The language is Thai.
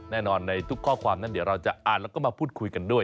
ในทุกข้อความนั้นเดี๋ยวเราจะอ่านแล้วก็มาพูดคุยกันด้วย